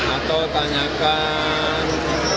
atau tanyakan ke yadudat